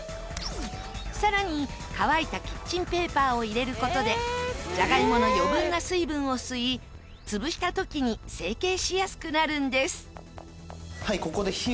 更に乾いたキッチンペーパーを入れる事でじゃがいもの余分な水分を吸い潰した時に成形しやすくなるんです。